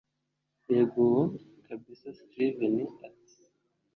yego uwo kabsa steven ati